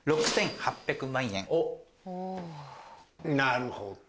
なるほど。